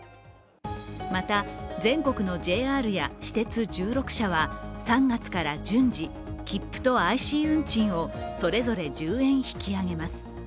また、全国のＪＲや私鉄１６社は３月から順次切符とＩＣ運賃をそれぞれ１０円引き上げます。